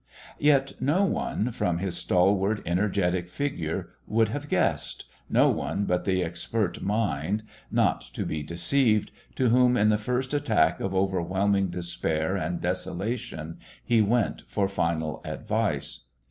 Yet no one, from his stalwart, energetic figure, would have guessed no one but the expert mind, not to be deceived, to whom in the first attack of overwhelming despair and desolation he went for final advice.